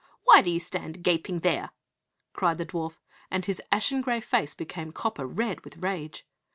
"Why do you stand gaping there?" cried the dwarf, and his ashen gray face became copper red with rage.